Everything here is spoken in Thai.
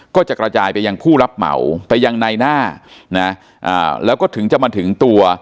ก็จะกระจายไปยังผู้รับเหมาไปยังในหน้านะแล้วก็ถึงจะมาถึงตัว